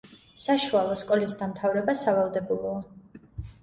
საშუალო სკოლის დამთავრება სავალდებულოა.